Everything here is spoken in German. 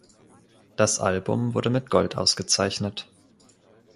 Das Album wurde mit Gold ausgezeichnet.